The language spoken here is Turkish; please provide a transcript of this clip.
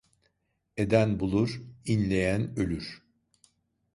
Eden bulur, inleyen ölür.